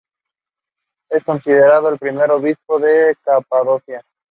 Es considerado el primer obispo de Capadocia.